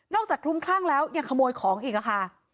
คลุ้มคลั่งแล้วยังขโมยของอีกค่ะ